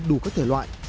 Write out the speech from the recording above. đủ các thể loại